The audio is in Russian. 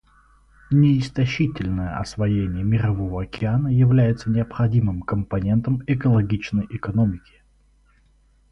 Неистощительное освоение Мирового океана является необходимым компонентом экологичной экономики.